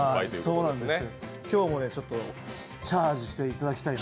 今日もチャージしていただきたい。